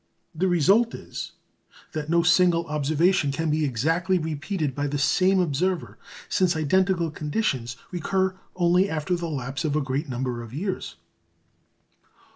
" The result is, that no single observation can be exactly repeated by the same observer, since identical conditions recur only after the lapse of a great number of years.